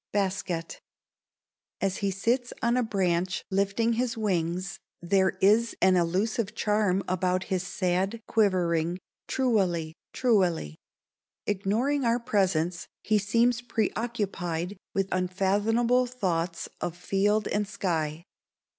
Baskett. As he sits on a branch lifting his wings there is an elusive charm about his sad, quivering tru al ly, tru al ly. Ignoring our presence, he seems preoccupied with unfathomable thoughts of field and sky.